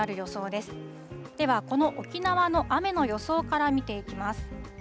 ではこの沖縄の雨の予想から見ていきます。